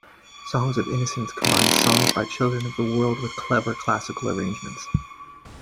Songs of Innocence combines songs by children of the world with clever classical arrangements.